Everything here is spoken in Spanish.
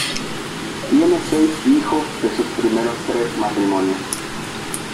Tiene seis hijos de sus primeros tres matrimonios.